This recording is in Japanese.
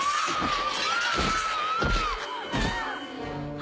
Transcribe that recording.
あ！